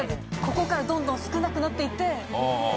ここからどんどん少なくなっていって。